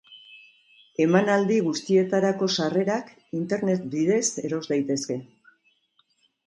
Emanaldi guztietarako sarrerak internet bidez eros daitezke.